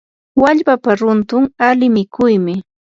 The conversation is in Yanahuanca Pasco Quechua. wallpapa runtun ali mikuymi.